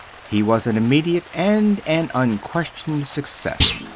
He was an immediate and an unquestioned success.